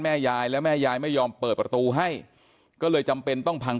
ยายและแม่ยายไม่ยอมเปิดประตูให้ก็เลยจำเป็นต้องพัง